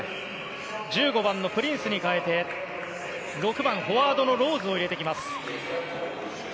１５番のプリンスに代えて６番、フォワードのローズを入れてきます。